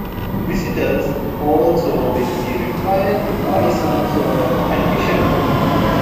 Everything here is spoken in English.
Visitors also will be required to buy some sort of admission.